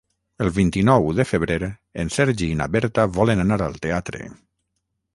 El vint-i-nou de febrer en Sergi i na Berta volen anar al teatre.